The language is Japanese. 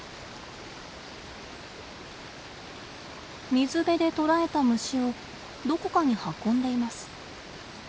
水辺で捕らえた虫をどこかに運んでいます。